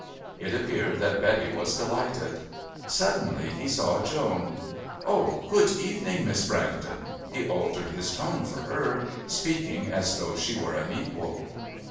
It appeared that Betty was delighted. Suddenly he saw Joan. "Oh, good evening, Miss Brandon." He altered his tone for her, speaking as though she were an equal.